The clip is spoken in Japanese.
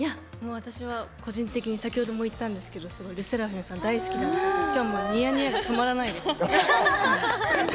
私は個人的にさっきも言ったんですけどＬＥＳＳＥＲＡＦＩＭさん大好きなので今日もニヤニヤが止まらないです。